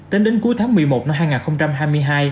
tính đến cuối tháng một mươi một năm hai nghìn hai mươi hai